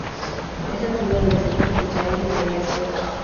Es nativa de los trópicos de África y Asia.